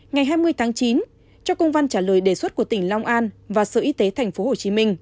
ngày hai mươi tháng chín trong công văn trả lời đề xuất của tỉnh long an và sở y tế tp hcm